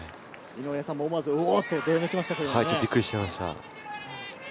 井上さんも思わず「お」っとどよめきましたね。